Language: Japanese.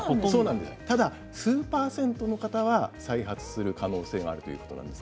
ただ数％の方は再発する可能性があるということなんです。。